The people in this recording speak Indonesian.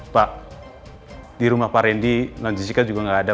pak di rumah pak randy non jessica juga nggak ada